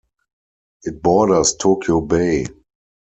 It borders Tokyo Bay.